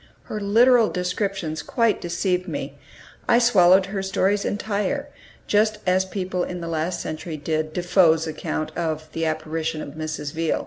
Her literal descriptions quite deceived me; I swallowed her stories entire, just as people in the last century did Defoe's account of "The Apparition of Mrs. Veal."